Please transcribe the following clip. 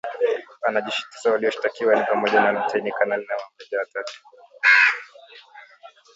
Wanajeshi tisa walioshtakiwa ni pamoja na luteini kanali na mameja watatu